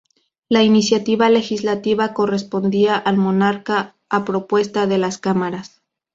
La iniciativa legislativa correspondía al Monarca, a propuesta de las Cámaras.